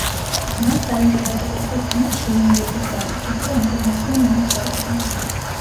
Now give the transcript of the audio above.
მან საიმპერატორო ექიმებს დუმილი უბრძანა, თუმცა ინფორმაციამ მაინც გაჟონა.